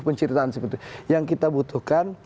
penceritaan seperti itu yang kita butuhkan